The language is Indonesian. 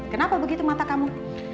kenapa begitu mata kamu